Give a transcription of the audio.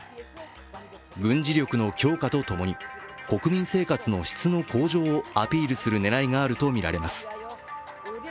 軍事力の強化とともに国民生活の質の向上をアピールする狙いがあるとみられます。